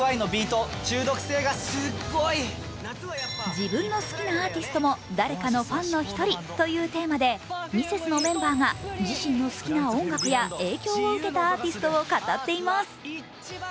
自分の好きなアーティストも誰かのファンの１人というテーマでミセスのメンバーが自身の好きな音楽や影響を受けたアーティストを語っています。